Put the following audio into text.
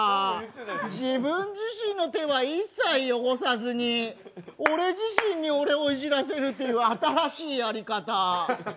自分自身の手は一切汚さずに、俺自身に俺をいじらせるっていう新しいやり方。